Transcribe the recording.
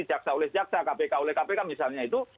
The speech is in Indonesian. jaksa oleh jaksa kpk oleh kpk misalnya itu